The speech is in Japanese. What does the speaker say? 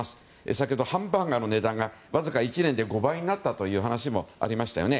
先ほどハンバーガーの値段がわずか１年で５倍になったという話がありましたよね。